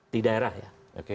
di daerah ya